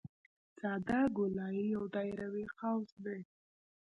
ساده ګولایي یو دایروي قوس دی